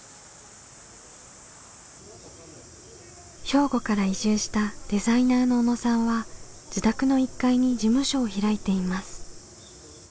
兵庫から移住したデザイナーの小野さんは自宅の１階に事務所を開いています。